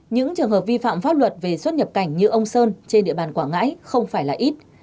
những trường hợp vi phạm pháp luật về xuất nhập cảnh như ông sơn trên địa bàn quảng ngãi không phải là ít